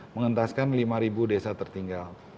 mengentaskan lima desa tertinggal